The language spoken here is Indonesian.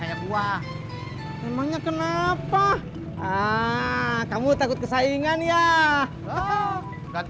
lo gak kepantes pakenya